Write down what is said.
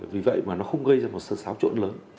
vì vậy mà nó không gây ra một sự xáo trộn lớn